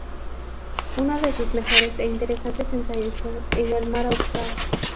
Uno de sus mejores e interesantes ensayos fue "En el mar Austral".